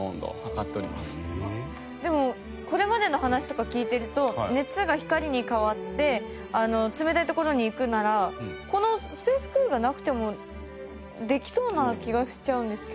でもこれまでの話とか聞いてると熱が光に変わって冷たい所に行くならこのＳＰＡＣＥＣＯＯＬがなくてもできそうな気がしちゃうんですけど。